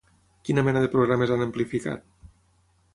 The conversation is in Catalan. Quina mena de programes han amplificat?